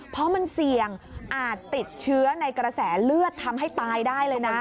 เพราะมันเสี่ยงอาจติดเชื้อในกระแสเลือดทำให้ตายได้เลยนะ